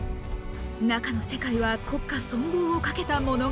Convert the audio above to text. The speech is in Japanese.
中の世界は国家存亡をかけた物語